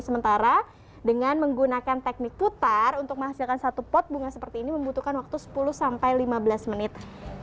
sementara dengan menggunakan teknik putar untuk menghasilkan satu pot bunga seperti ini membutuhkan waktu sepuluh sampai lima belas menit